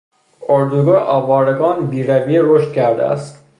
اردوگاه آوارگان بیرویه رشد کرده است.